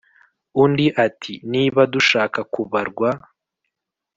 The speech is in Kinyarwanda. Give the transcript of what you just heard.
undi ati"niba dushaka kubarwa